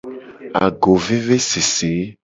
Agovevesese.